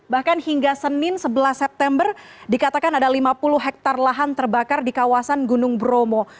bahkan hingga senin sebelas september dikatakan ada lima puluh hektare lahan terbakar di kawasan gunung bromo